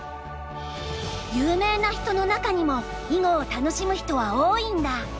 有名な人の中にも囲碁を楽しむ人は多いんだ。